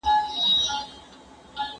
هغوی په هره برخه کې هڅه کوي.